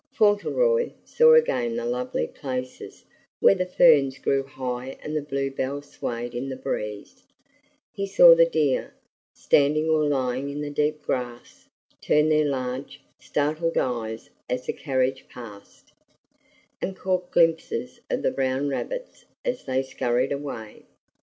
Fauntleroy saw again the lovely places where the ferns grew high and the bluebells swayed in the breeze; he saw the deer, standing or lying in the deep grass, turn their large, startled eyes as the carriage passed, and caught glimpses of the brown rabbits as they scurried away.